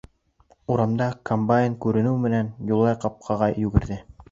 Урамда комбайн күренеү менән, Юлай ҡапҡаға йүгерҙе.